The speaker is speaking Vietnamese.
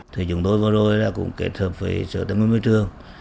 thời trường tôi vừa rồi cũng kết hợp với sở tâm nguyên mới trường